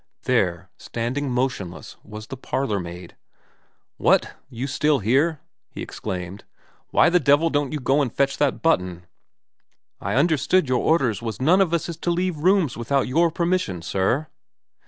There, standing motionless, was the parlourmaid. ' What ? You still here ?' he exclaimed. ' Why the devil don't you go and fetch that button ?'* I understood your orders was none of us is to leave rooms without your permission, sir.'